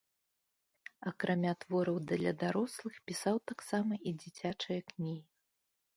Акрамя твораў для дарослых, пісаў таксама і дзіцячыя кнігі.